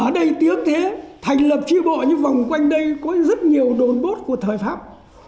đây tiếng thế thành lập tri bộ như vòng quanh đây có rất nhiều đồn bốt của thời pháp